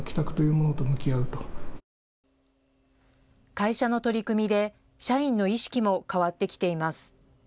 会社の取り組みで社員の意識も変わってきています。